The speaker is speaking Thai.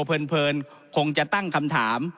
เพลินคงจะตั้งคำถาม